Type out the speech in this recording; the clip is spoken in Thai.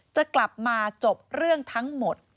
จะกลับมาจบเรื่องทั้งหมด